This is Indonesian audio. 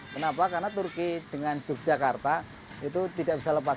kenapa karena turki dengan yogyakarta itu tidak bisa lepas